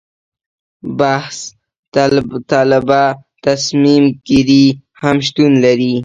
بحث طلبه تصمیم ګیري هم شتون لري.